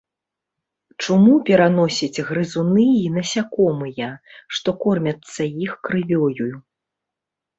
Чуму пераносяць грызуны і насякомыя, што кормяцца іх крывёю.